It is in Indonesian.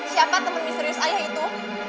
siapa teman misterius ayah itu